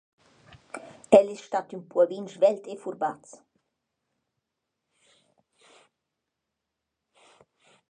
El es stat ün puopin svelt e furbaz.